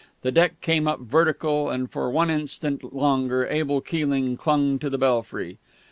The deck came up vertical, and for one instant longer Abel Keeling clung to the belfry.